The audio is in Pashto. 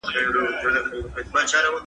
تا باید خپل حساب کتاب سم کړی وای.